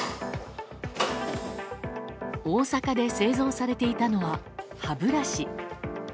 大阪で製造されていたのは歯ブラシ。